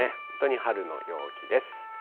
本当に春の陽気です。